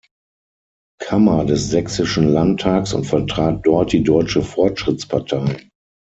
Kammer des Sächsischen Landtags und vertrat dort die Deutsche Fortschrittspartei.